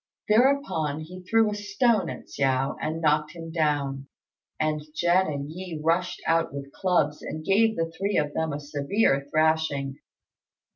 Thereupon he threw a stone at Hsiao and knocked him down; and Jen and Yi rushed out with clubs and gave the three of them a severe thrashing.